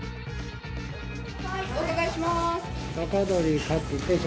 はいお願いします。